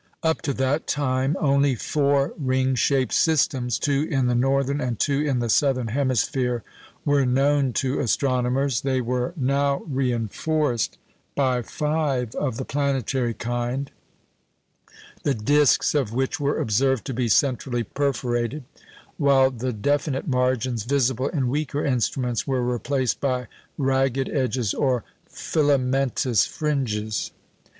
Up to that time, only four ring shaped systems two in the northern and two in the southern hemisphere were known to astronomers; they were now reinforced by five of the planetary kind, the discs of which were observed to be centrally perforated; while the definite margins visible in weaker instruments were replaced by ragged edges or filamentous fringes.